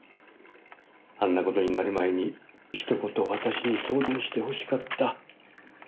あんな事になる前にひと言私に相談してほしかった。